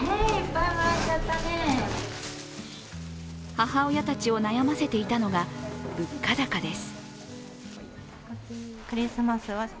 母親たちを悩ませていたのが物価高です。